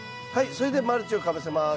それでマルチをかぶせます。